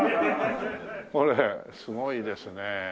これすごいですね。